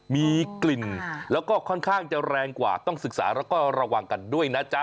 มีกลิ่นแล้วก็ค่อนข้างจะแรงกว่าต้องศึกษาแล้วก็ระวังกันด้วยนะจ๊ะ